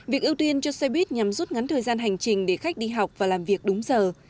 việc ưu tiên cho xe buýt nhằm rút ngắn thời gian hành trình để khách đi học và làm việc đúng giờ